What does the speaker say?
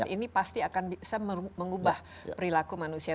ini pasti akan bisa mengubah perilaku manusia